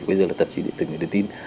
bây giờ là tạp chí điện tử để đưa tin